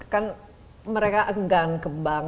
kan mereka enggan ke bank